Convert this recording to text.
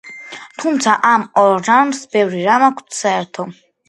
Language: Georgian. თუმცა, ამ ორ ჟანრს ბევრი რამ აქვს საერთო.